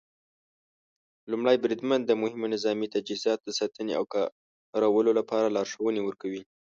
لومړی بریدمن د مهمو نظامي تجهیزاتو د ساتنې او کارولو لپاره لارښوونې ورکوي.